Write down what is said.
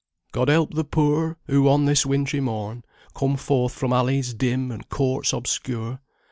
] God help the poor, who, on this wintry morn, Come forth from alleys dim and courts obscure.